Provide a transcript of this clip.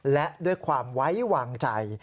และด้วยความไว้วางใจ